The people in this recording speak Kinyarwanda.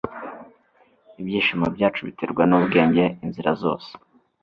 ibyishimo byacu biterwa n'ubwenge inzira zose